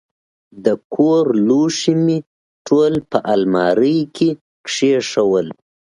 د کور لوښي مې ټول په المارۍ کې کښېنول.